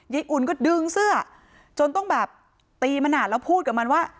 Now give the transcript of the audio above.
อุ่นก็ดึงเสื้อจนต้องแบบตีมานานแล้วพูดกับมันว่า